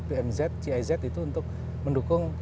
pmz giz itu untuk mendukung